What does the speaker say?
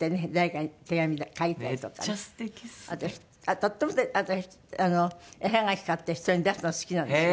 とっても私あの絵はがき買って人に出すの好きなんですよ。